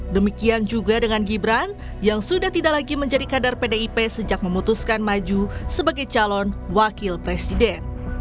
demikian juga dengan gibran yang sudah tidak lagi menjadi kader pdip sejak memutuskan maju sebagai calon wakil presiden